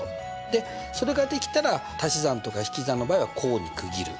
でそれができたらたし算とか引き算の場合は項に区切る。